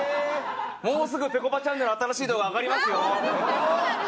もうすぐぺこぱチャンネル新しい動画上がりますよ。